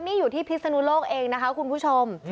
นี่อยู่ที่พิศนุโลกเองนะคะคุณผู้ชม